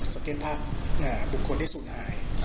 สเก็ตภาพบุคคลที่ศูนย์หาย